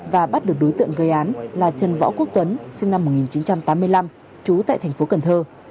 và bắt được đối tượng gây án là trần võ quốc tuấn sinh năm một nghìn chín trăm tám mươi năm trú tại thành phố cần thơ